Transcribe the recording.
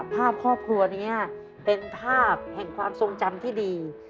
ภาพครอบครัวนี้เป็นภาพแห่งความทรงจำที่ดี